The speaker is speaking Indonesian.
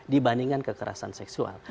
dibandingkan kekerasan seksual